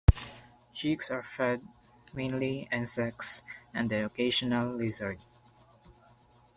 Chicks are fed mainly insects and the occasional lizard.